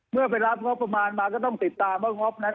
เมื่อไปรับงบประมาณมาก็ต้องติดตามว่างบนั้น